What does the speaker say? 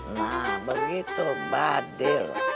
nah begitu badil